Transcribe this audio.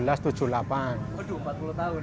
aduh empat puluh tahun ya